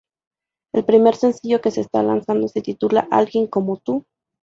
El primer sencillo que se está lanzando se titula "Alguien como tú".